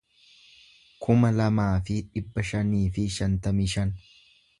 kuma lamaa fi dhibba shanii fi shantamii shan